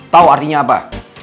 tau artinya apa